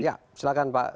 ya silakan pak